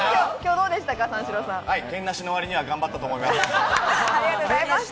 腱なしの割には頑張ったと思います。